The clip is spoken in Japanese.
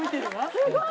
すごい！